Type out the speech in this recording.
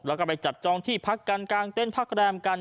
แล้วก็ไปจับจองที่พักกันกลางเต้นพักแรมกัน